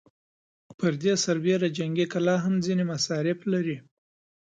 پر دې سربېره جنګي کلا هم ځينې مصارف لري.